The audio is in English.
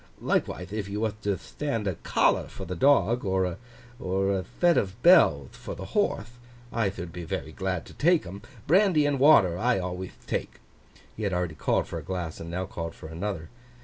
Likewithe if you wath to thtand a collar for the dog, or a thet of bellth for the horthe, I thould be very glad to take 'em. Brandy and water I alwayth take.' He had already called for a glass, and now called for another.